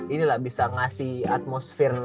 ini lah bisa ngasih atmosfer